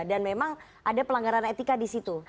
dan memang ada pelanggaran etika di situ